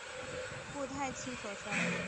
顾太清所生。